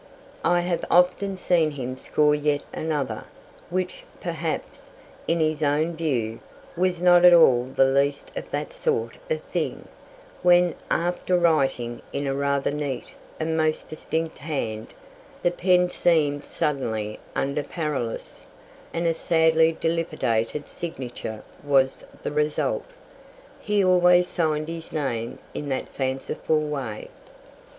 I have often seen him score yet another, which, perhaps, in his own view, was not at all the least of that sort of thing, when, after writing in a rather neat and most distinct hand, the pen seemed suddenly under paralysis, and a sadly dilapidated signature was the result. He always signed his name in that fanciful way.